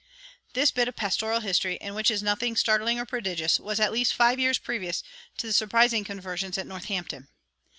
This bit of pastoral history, in which is nothing startling or prodigious, was at least five years previous to the "Surprising Conversions" at Northampton.